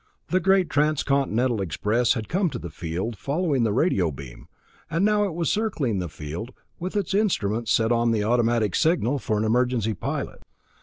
The great Transcontinental express had come to the field, following the radio beam, and now it was circling the field with its instruments set on the automatic signal for an emergency pilot.